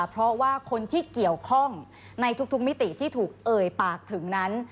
เพราะว่าคนที่เกี่ยวข้องในทุกมิติที่ถูกเอ่ยปากถึงนั้น